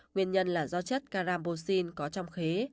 nguyên nhân là do chất carambosin có trong khế